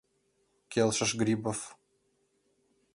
— Келшыш Грибов.